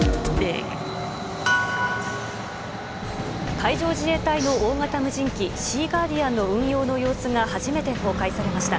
海上自衛隊の大型無人機「シーガーディアン」の運用の様子が初めて公開されました。